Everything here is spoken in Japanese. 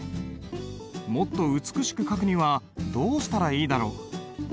もっと美しく書くにはどうしたらいいだろう？